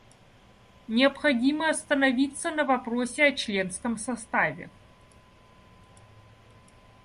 Необходимо остановиться на вопросе о членском составе.